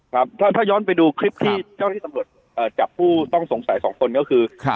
ครับถ้าย้อนไปดูคลิปที่เจ้าหน้าที่ตำรวจจับผู้ต้องสงสัยสองคนก็คือ